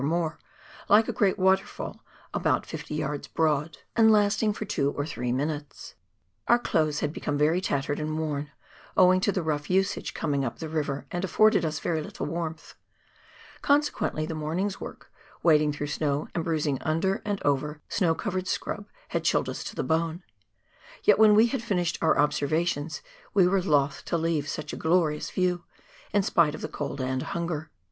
or more, like a great waterfall about 50 yards broad, and lasting for two or three minutes. Our clothes had become very tattered and worn, owing to the rough usage coming up the river, and afforded us very little warmth ; consequently, the morning's work, wading through snow and bruising under and over snow covered scrub, had chilled us to the bone ; yet when we had finished our observations, we were loth to leave such a glorious view, in spite of the cold and hunger.